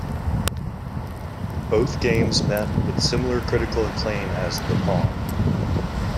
Both games met with similar critical acclaim as "The Pawn".